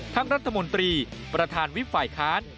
ทั้งรัฐมนตรีประธานวิศัยภายค้าน